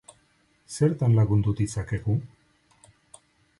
Zertan lagundu ditzakegu?